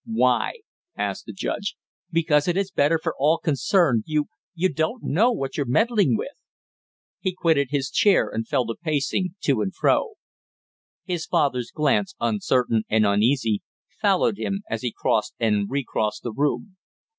"Why?" asked the judge. "Because it is better for all concerned; you you don't know what you're meddling with " He quitted his chair and fell to pacing to and fro. His father's glance, uncertain and uneasy, followed him as he crossed and recrossed the room.